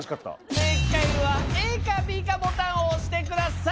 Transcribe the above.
正解はＡかＢかボタンを押してください。